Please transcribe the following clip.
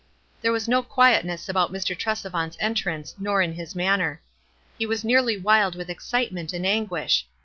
There was no quietness about Mr. Tresevant's entrance, nor in his manner. He was nearly wild with excitement and anguish.